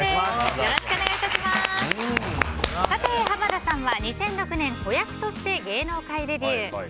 濱田さんは２００６年子役として芸能界デビュー。